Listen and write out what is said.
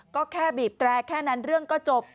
ก็แค่บีบแตรแค่นั้นเรื่องก็จบ